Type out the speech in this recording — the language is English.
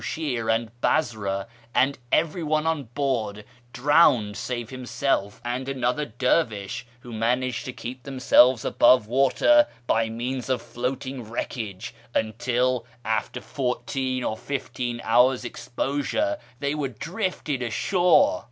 sliire ami iiasra, and everyone on board drowned save himself and another dervish, who managed to keep themselves above water by means of iloatiug wreckage, until, after fourteen or fifteen hours' exposure, they were drifted ashore.